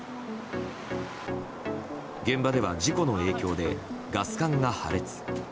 現場では、事故の影響でガス管が破裂。